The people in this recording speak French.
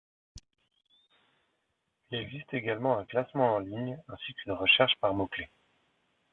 Il existe également un classement en ligne ainsi qu'une recherche par mot clef.